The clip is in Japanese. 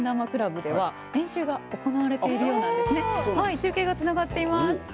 中継がつながっています。